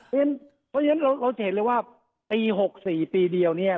เพราะฉะนั้นเราจะเห็นเลยว่าปี๖๔ปีเดียวเนี่ย